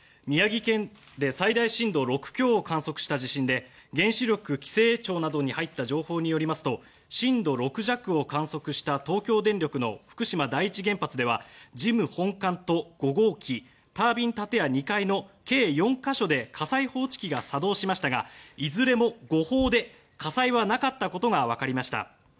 宮城県で最大震度６強を観測した地震で原子力規制庁などに入った情報によりますと震度６弱を観測した東京電力の福島第一原発では事務本館と５号機タービン建屋２階の計４か所で火災報知機が作動していましたがいずれも誤報で火災はなかったことが分かりました。